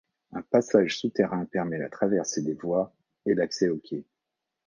Un passage souterrain permet la traversée des voies et l'accès aux quais.